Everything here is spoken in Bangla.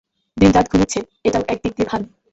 দিন-রাত ঘুমুচ্ছে এটাও এক দিক দিয়ে ভালো।